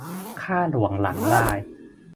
ข้าหลวงหลังลาย